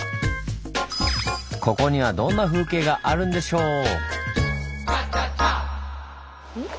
ここにはどんな風景があるんでしょう？ん？